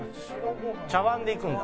「茶わんでいくんだ？